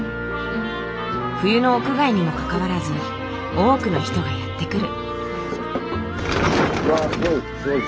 冬の屋外にもかかわらず多くの人がやって来る。